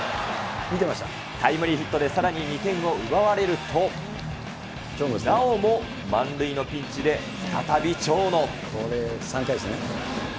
タイムリーヒットで、さらに２点を奪われると、なおも満塁のピンチで再び長野。